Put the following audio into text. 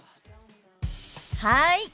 はい！